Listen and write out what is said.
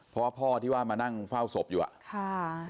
เพราะพ่อที่ว่ามานั่งเฝ้าศพอยู่อ่ะค่ะ